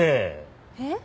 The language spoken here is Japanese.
えっ？